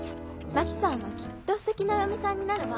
牧さんはきっと素敵なお嫁さんになるわ。